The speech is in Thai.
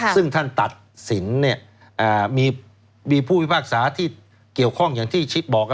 ซึ่งท่านตัดสินมีผู้พิพากษาที่เกี่ยวข้องอย่างที่ชิปบอก